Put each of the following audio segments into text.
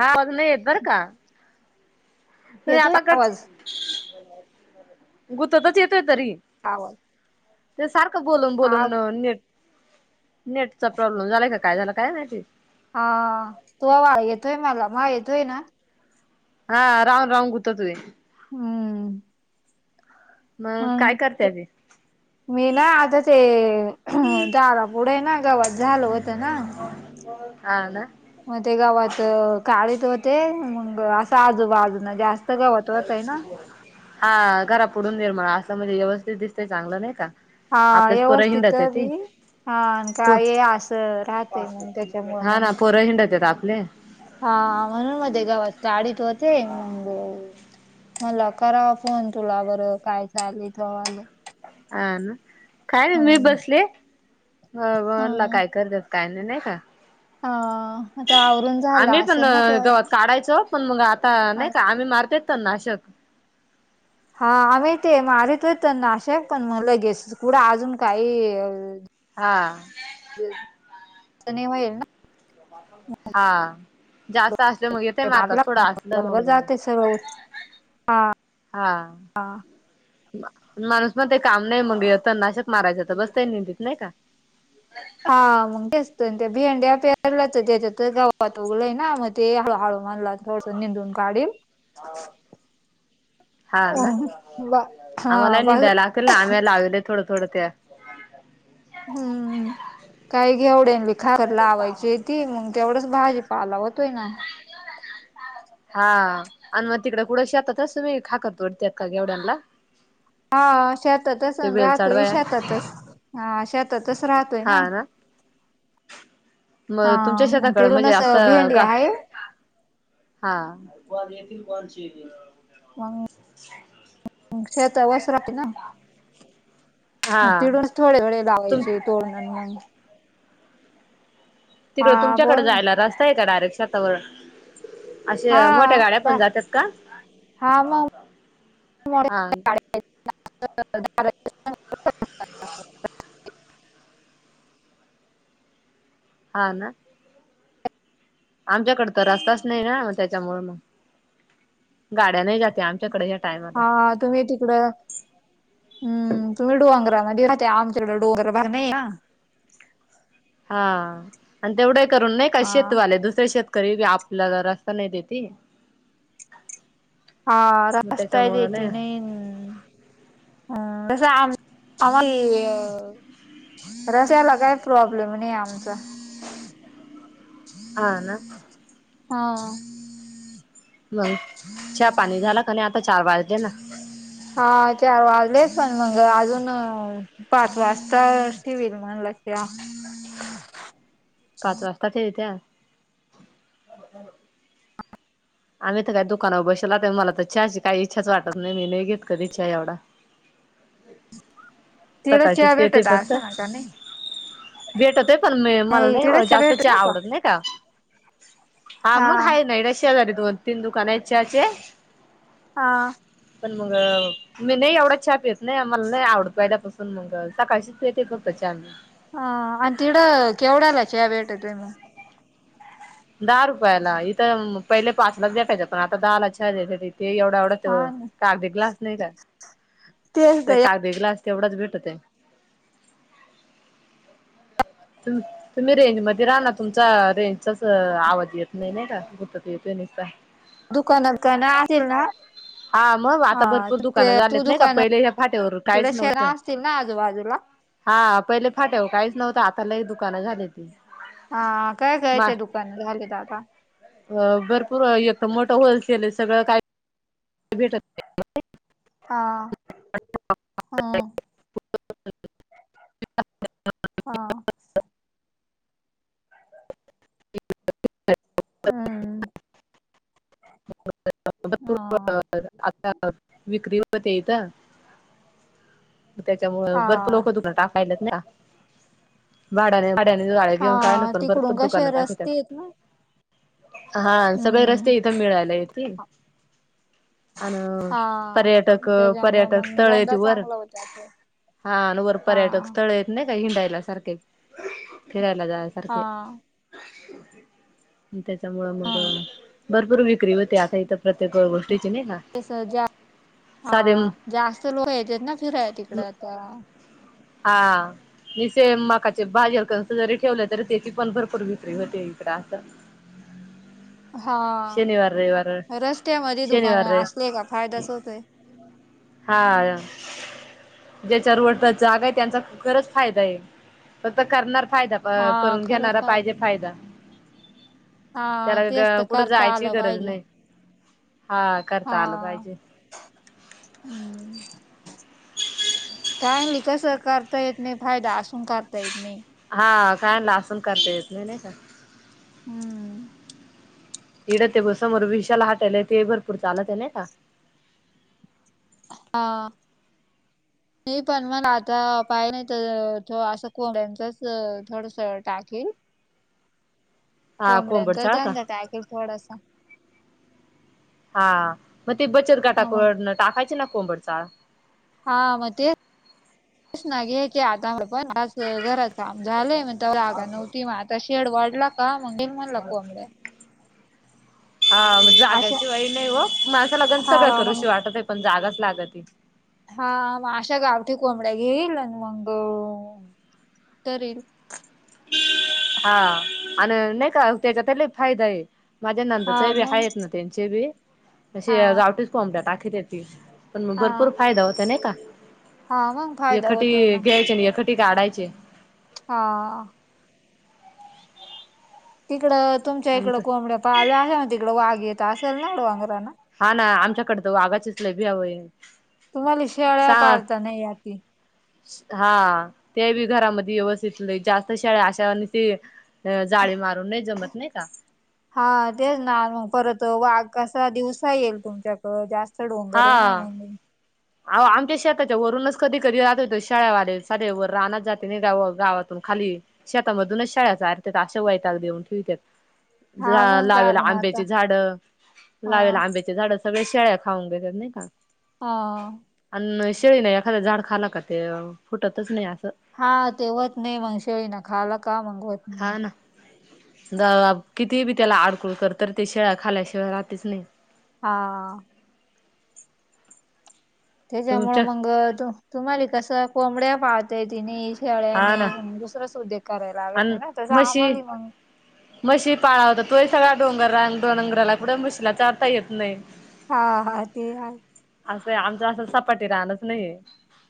पण नाही येत बर का, तरी येतोय आता आवाज कस गुततच येतय तरी हाव. ते सारखं बोलून बोलून नेट नेटचा प्रॉब्लेम झालाय का काय झालं काय माहिती हा तूवा आवाज येतोय मला माझा येतोय ना हा राऊन राहून गुततो ये हम्म. मग काय मंग करते ते मी ना आता ते दारा पुुढें ना गवत झालं होतं ना. हा ना. मग ते गवात काढीत होते मंग असं आजूबाजूनना जास्त.. गवात होता आहे ना. हा घरा पुुढून निर्मळ असं म्हणजे व्यवस्थित दिसतय चांगलं नाही का. हा आपल्याच पोर हिडात व्यवस्थित आहे बी ते. हा पो काय असं राहतय मग त्याच्यामुळ हा मग ना पोर हिंडता आपले हा म्हणून म ते गावात काडीत होते मंग मग करावा फोन तुला बरं काय चालू तूवालं. अ ना काय नाही मी हम्म बसले हा म्हणला काय करत. काही नाही नाही का हा आता आवरून झाला आम्ही पण असेल ना तो आज गवत काढायचो. पण मग आता नाही का आम्ही मारत नाशक हा आम्ही ते मारत नाशे पण मग लगेच कुढं अजून काही. हा. जर चने होईल ना हा. जास्त असलं मग येतय मारतात भागला थोडं असलं बरोबर मग जात सळ. [unintelligible] हा हा. म माणूस म ते काम नाही मग य तर नाशक मारायचंत बस ते निंदत नाही का. हा मग तेचत त्या भिंड्या प्यारलाच त्याच्या तर गावात उगलय ना मग ते हळू हळू मानला. थोडस निंदून काढ. हा ना बा हा आम्हाला बा निंदायला लागतील ना आम्ही लावले थोडं थोडं त्या. हम्म. काही घेवढ लि खा लावायची ती मग तेवढच भाजीपालावतय ना. हा आणि मग तिकडे कुडं शेतातच तुम्ही खाकतोडतात का गेवड्यांला. हा शेतातच बेल राहतो चाडवाया शेतातच हा शेतातच राहतोय ना. हा मग तुमच्या मग शेताकडं म्हणजे तिडूनच असं भेंडी का. आहे हा. मग शेत वस् राते ना. हा तिडूनच थोडे वळे तुम लावायचे तोडण मग. हा तिकडं बोल तुमच्याकडे ना जायला रस्ता आहे का डायरेक्शातवर. हा अशे मोठ्या गाड्या पण जातात का हा हा. अ अ अ [inaudible] हा ना. आमच्याकडे तर रस्ताच नाही ना त्याच्यामुळे मग गाड्या नाही जाते आमच्याकडे. टायमाला हा तुम्ही तिकडं. हम् तुम्ही डोंगरामधी राहते आमच्याकडे डोंगर भाग नाहिये ना. हा आणि तेवढं करून नाही का हा शेतवाले दुसर्या शेत. कर आपल्या रस्ता नाही देत. हा रस्ताय देेत नाही नाहीय. हम असं आमचं आम्हाला. रश याला काही प्रॉब्लेम नाही आमचा.. हा ना हा. मग हा पाणी झाला क नाही आता चार वाजले ना. हा चार वाजलेच पण मंग अजून. पाच वाजता टिवल म्हणला ते आ. पाच वाजता तेरी त्या. आम्ही तर काही दुकानावर बसला तर मला तर हाची काही इच्छाच वाटत नाही मी नाही घेत कधी हा एवढा. तिकडं चहा सकाळचीच पेते भेटत फक्त. असेल ना का नाही? भेटतय पण म मला नाही जास्त चा आवडत नाही का. हा मग हा नाडशी आजारी दोन तीन दुकाना आहे चाचे. हा. पण मग मी नाही एवढा चा पीत नाही मला नाही आवडत पाहिल्यापासून. मग सकाळशीच पिते फक्त चा मी. ह आणि तिकडं केवढ्याला चा भेटतय मग. दहा रुपयाला इथं पहिले पाच ला भेटायचं पण आता दहाला चा देताती इथं. ते एवढा एवढाच हा ना कागदिक ग्लास नाही का तर काग. ते ग्लास तेवढाच भेटतेय. तर. तुम्ही रेंज मध्ये राह ना तुमचा रेंजचाच आवाज येत नाही नाही का पुुतत येत नाही का. दुकानात काना असेल ना. हा मग हा आता भरपूर ते दुकानं तू झालेत नाही का दुकान पहिले ह्या फाट्यावर तिकडं काहीच शेना नव्हतं. असतील ना आजूबाजूला? हा पहिले फाट्याव काहीच नव्हतं आता लई दुकानं झालेत. हा काय कयच्या दुकान झाले आता. अ भरपूर एक मोठं होलसेल आहे सगळं काय भेट हा हम हा इथे तर हम्म भेटतय खूप हा आता तर विक्री होते इथ त्याच्यामुळ भरपूर हा. लोक दुकान टाकायलेत ना वाढायेले गड्या गाड्या घेऊन काय न हा पण तिकडून भरूर दुकान कसे टाख त्या रस्ते आहेत ना हा सगळे रस्ते हम्म. इथं मिळायला येतील अन हा पर्यटक त्याच्यामुळं पर्यटक मग स्थळ य धंदा त वर चांगला होता तो हा न वर पर्यटक हा. स्थळ येत नाय का हिंडायला सारखे फिरायला जाया सारखे हा त्याच्यामुळ मग हा भरपूर विक्री होती आता इथ प्रत्येक व ते स जा हा साधे जास्त लोक येत ना फिराय तिकड आता हा निसे माकाचे भाजर क जरी ठेवलं तरी तेची पण भरपूर विक्री होते इकड असं हा शनिवार रविवार रस्त्यामध्ये दुकान शनिवार रे असले का फायदा्याच होतोय हा ज्याच्यावरडत जागा आहे त्यांचा खरंच फायदा आहे फक्त करणार फायदा अ हा करून खरंच घेणारा पाहिजे फायदा हा तेच त्याला तर कुठं करता जायची आलं गरज पाहिजे नाही हा करता हा आलं पाहिजे हम्म काय नाही कसं करता येत नाही फायदा असून करता येत नाही हा कायला असून करता येत नाही नाही का हम् इडत आहे ब समोर विशाल हाटेलय ते भरपूर चालत आहे ना का हा [inaudible] नाही पण मला आता पाहि नाही तर असं को त्यांचच थोडस टाकेल [inaudible] हा कोंबड्यांचा कोंबडचाळ का धंदा कायखे थोडासा हा मग ते बचत हा मग गटाकडून टाकायची ना कोंबड चाळ हा मग तेच नाहीे की आता पण घरात काम झालंय मग त्या रागा नव्हती मग आता शेड वाढला का मगे म्हणला कोबडे हा म्ह अशा जाग्याची वय नाही हो माझं लगन सगळं हा करू श मग वाटत आहे पण जागाच लागत हा मग अशा गावठी कोंबड्या घेईल आणि मग करेील हा आणि नाही का त्याचा त्याला फायदा आहे माझ्या नंदाचे बी हा येत ना त्यांचे बी हा अ गवटीच पामबल्या टाकीती पण मग हा भरपूर फायदा होता नाही का हा मग फायदा एखटी होतोय ना घ्यायचे आणि एखटी का काढायचे हा तिकडं तुमच्या इकडं कोंबड्या पाल्या आहे मग तिकडे वाघ येत असेल नाड वांगरा ना हा ना आमच्याकडे तर वाघाचीच लबी हवंय तुम्हाला शेळ्या पाळता नाही याी हा ते बी घरामध्ये व्यवस्थितले जास्त शेळ्या अशा अ जाळी मारून नाही जमत नाही का हा तेच ना मग परत वाघ कसा दिवसा येईल तुमच्या अ जास्त डोंगर आहे ना मग अह आमच्या शेताच्या वरूनच कधी कधी राहत होते शाळेवाले सारे व राहनात जाते नाही गा गावातून खाली शेतामधूनच शाळेचा आरतात आशा वय तग देऊन ठेवतात. हा झा मग लावेला कारण आता आंब्याची झाड हा लावेला आंब्याची झाडा सगळे शेळ्या खाऊग तर नाही का? ह. आणि शेळी नाही एखाद झाड खाला का ते फुटतच नाही असं. हा तेवच नाही मंगशाळी ना खाला का मगवत हा ना. किती बी त्याला आडकुळ करत ते शेळा्या खाल्या शिवाय राातीच नाही. हा. त्याच्यामुळं तुमच्या मग तुम्हाला कसं कोंबड्या पाहतय दिनेश हा ना शेळ्याने मग दुसर सुधे करायला हवेत आणि नाही ना तसं म्हशी आम्हाला मग म्हशी पाळा होता तोही सगळ्या डोंगर डोंगराला कुठे म्हशीला चाारता येत नाही. हा हा ते आहे. असं आमचं असं सपाटी राहणारच नाही.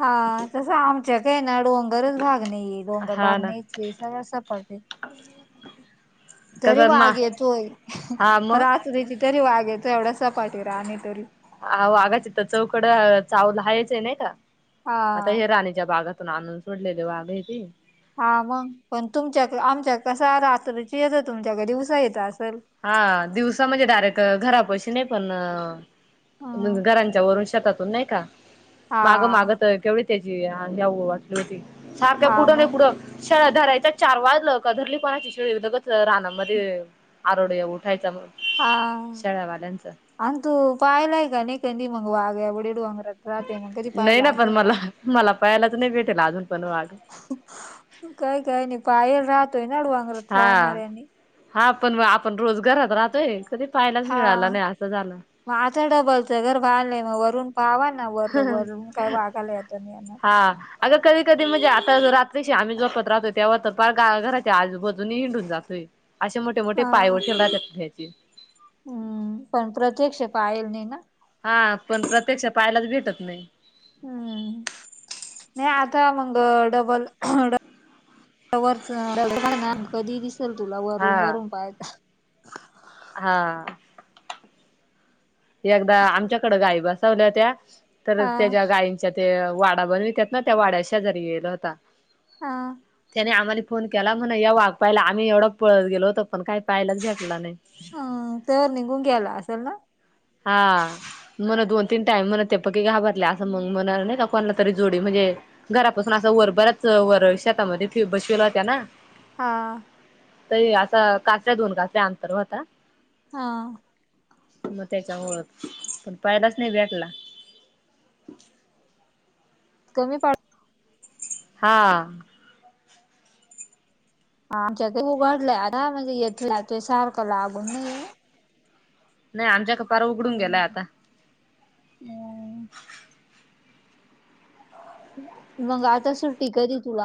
हा तसं आमच्या काय ना डोंगरच भाग नाही डोंगर हा भाग ना नाहीची. ते सळ अस पाटे तरी कसं मा वाघ येतोय हा मग रात. त ति तरी वागेयच एवढा स पाठी राहा आणि तरी ह आ वाघाची चौकड चाहूल हहायचं आहे नाही का? आता हा. हे राणीच्या बागातून आणून सोडलेले बाघ आहे ते हा मग पण तुमच्या आमच्या कस रात्रीची येतं तुमच्याकडे उसा येतं असल. हा दिवसा म्हणजे डायरेक्ट घरा पैशी नाही पण हम्म घरांच्या वरून शेतातून नाही का? हा मागं मागत केवढ त्याचीऊ वाटली होती सारख्या हा पुढं नाही मग पुढं. शाळा धरायच्या चार वाजलं कधरली पणाची शे लगच रानामध्ये आरड उठायचा. हा शेळ्यावाल्यांचा अंतु पायलाय का अनेकनी मगवाग बडीडू अंगर नाही ना पण मला मला पहायलाच नाही भेटेल अजून पण वाघ काही काय नाही बाहेर राहतोय नाड वांगरात हा राहणार्या आणि हा पण आपण रोजगारात राहतोय कधी पाहायलाच हा. मिळाला नाही असं झालं. मग आता डबलच घर पालंय मग वरून पावा ना वर वरून काय वागाला आता नाही येणार. हा. अग कधी कधी म्हणजे आता रात्री श आ्ही जपत राहतो. तेव्हा तर फार गा घराच्या आजूबाजून हिंडून जातोय असे मोठे मोठे पाय हा वटील राहतात त्याचे हम्म पण प्रत्यक्ष पाळेल नाही ना. हा पण प्रत्यक्ष पायलाच भेटत नाही. हम्म नाही आता मग डबल. रच कधी दिसेल तुला हा वरून वरून पाहाच. हा. एकदा आमच्याकडे गाय बसवल्या त्या्या तर हा त्याच्या गाय त्याच्या ते वाडा बनवितात ना त्या वाड्या शा जरी गेला होता. हा. त्याने आम्हाला फोन केला म्हणा यग पाहिला आम्ही एवढं पळत गेलो होत पण काही पाहिलाच भेटला नाही. हम तवर निघून घ्यायला असेल ना. हा. म्हण दोन तीन टाईम म्हण ते पकी घाबरले असं मग म्हणा नाही का कोणाला तरी जोडी म्हणजे घरापासून असं वरभरच वर शेतामध्ये बसवेल होत्या ना. हा. त असा काचऱ्या दोन काचऱ्या अंतर होता. हां त्याच्या होत, पण पहिलाच नाही भेटला. कमी [unintelligible] हां आमच्या उघडलंय आता म्हणजे येतोय जातोय सारखं लागून नाही. नाही आमच्याकड पार उघडून हम्म गेलाय आता. हम्म. [inaudible] मग आता सुट्टी कधी तुला?